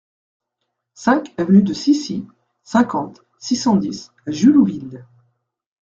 cinq avenue de Scissy, cinquante, six cent dix à Jullouville